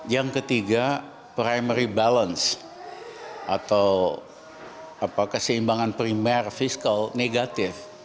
yang ketiga primary balance atau keseimbangan primer fiskal negatif